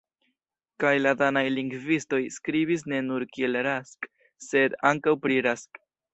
Kaj la danaj lingvistoj skribis ne nur kiel Rask, sed ankaŭ pri Rask.